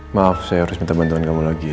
maaf saya harus minta bantuan kamu lagi ya